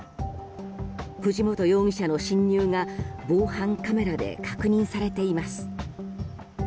藤本容疑者の侵入が防犯カメラで確認されています。